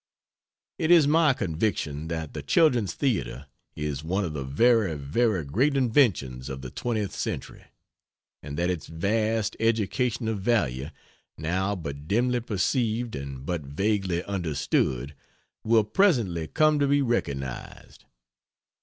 It is my conviction that the children's theatre is one of the very, very great inventions of the twentieth century; and that its vast educational value now but dimly perceived and but vaguely understood will presently come to be recognized.